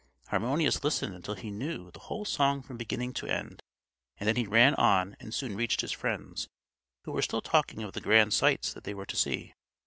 Harmonius listened until he knew the whole song from beginning to end; and then he ran on and soon reached his friends, who were still talking of the grand sights that they were to see.